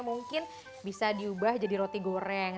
mungkin bisa diubah jadi roti goreng